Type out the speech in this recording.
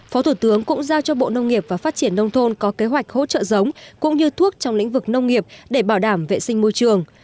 phó thủ tướng cũng giao cho bộ nông nghiệp và phát triển nông thôn có kế hoạch hỗ trợ giống cũng như thuốc trong lĩnh vực nông nghiệp để bảo đảm vệ sinh môi trường